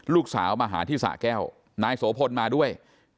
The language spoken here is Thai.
ลูกสาวมาหาที่สะแก้วนายโสพลมาด้วย